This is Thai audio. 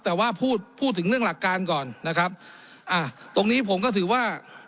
แต่ว่าพูดพูดถึงเรื่องหลักการก่อนนะครับอ่าตรงนี้ผมก็ถือว่า